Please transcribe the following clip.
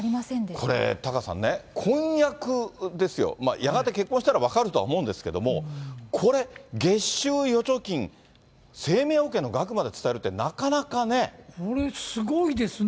これタカさんね、婚約ですよ、やがて結婚したら分かるとは思うんですけども、これ、月収、預貯金、生命保険の額まで伝えるって、これ、すごいですね。